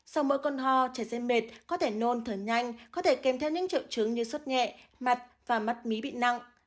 sau mỗi cơn hò trẻ dưới mệt có thể nôn thở nhanh có thể kèm theo những triệu chứng như suất nhẹ mặt và mắt mí bị nặng